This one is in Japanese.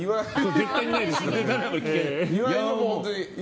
絶対にないですからね。